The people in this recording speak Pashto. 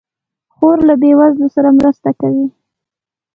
خور له بېوزلو سره مرسته کوي.